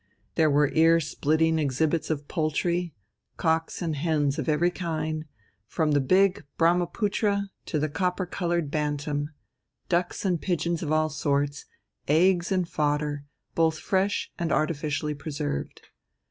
There were ear splitting exhibits of poultry, cocks and hens of every kind, from the big Brahmaputra to the copper coloured bantam; ducks and pigeons of all sorts, eggs and fodder, both fresh and artificially preserved.